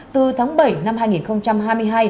từ tháng bảy năm hai nghìn hai mươi